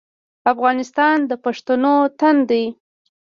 افغانستان د پښتنو تن دی